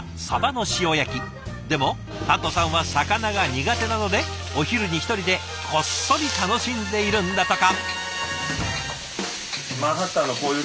でもタッドさんは魚が苦手なのでお昼に１人でこっそり楽しんでいるんだとか。